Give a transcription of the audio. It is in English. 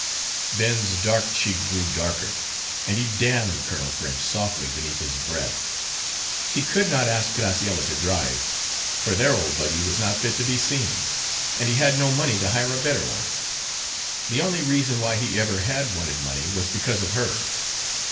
Ben's dark cheek grew darker, and he damned Colonel French softly beneath his breath. He could not ask Graciella to drive, for their old buggy was not fit to be seen, and he had no money to hire a better one. The only reason why he ever had wanted money was because of her.